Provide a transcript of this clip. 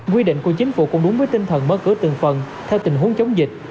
quy định của chính phủ cũng đúng với tinh thần mở cửa từng phần theo tình huống chống dịch